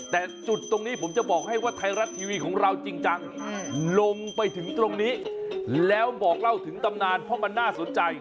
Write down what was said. แต่จุดตรงนี้ผมจะบอกให้ว่าไทยรัฐทีวีของเราจริงจังลงไปถึงตรงนี้แล้วบอกเล่าถึงตำนานเพราะมันน่าสนใจ